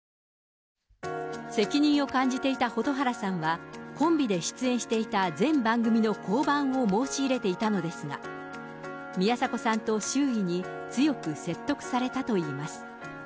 責任を感じていた蛍原さんは、コンビで出演していた全番組の降板を申し入れていたのですが、宮迫さんと周囲に強く説得されたといいます。